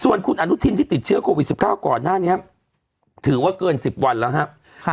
ส่วนคุณอนุทินที่ติดเชื้อโควิด๑๙ก่อนหน้านี้ถือว่าเกิน๑๐วันแล้วครับ